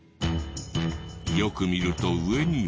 よく見ると上には。